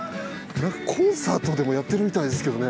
コンサートでもやってるみたいですけどね。